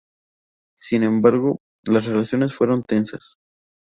Sin embargo, las relaciones fueron tensas.